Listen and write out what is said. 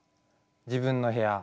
自分の部屋？